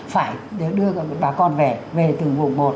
phải đưa bà con về về từ vùng một